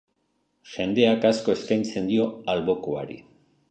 Jendeak asko eskaintzen dio albokoari.